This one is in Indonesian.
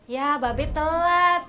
ya bapak be telat